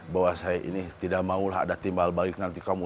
bahwa saya ini tidak maulah ada timbal balik nanti kamu